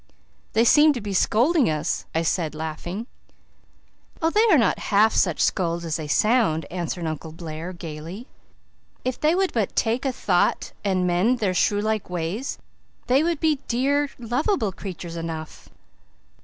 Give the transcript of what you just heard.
"They seem to be scolding us," I said, laughing. "Oh, they are not half such scolds as they sound," answered Uncle Blair gaily. "If they would but 'tak a thought and mend' their shrew like ways they would be dear, lovable creatures enough."